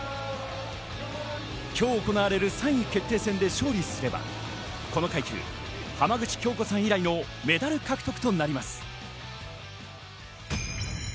今日行われる３位決定戦で勝利すれば、この階級、浜口京子さん以来のメダル獲得となります。